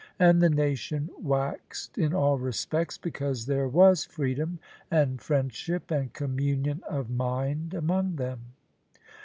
And the nation waxed in all respects, because there was freedom and friendship and communion of mind among them.